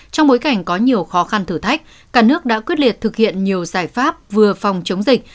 trong bối cảnh có nhiều khó khăn thử thách cả nước đã quyết liệt thực hiện nhiều giải pháp vừa phòng chống dịch